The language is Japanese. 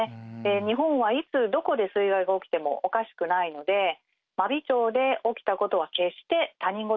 日本はいつどこで水害が起きてもおかしくないので真備町で起きたことは決して他人事ではないんです。